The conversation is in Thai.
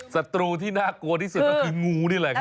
ศัตรูที่น่ากลัวที่สุดก็คืองูนี่แหละครับ